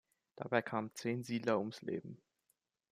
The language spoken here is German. Dabei kamen zehn Siedler ums Leben.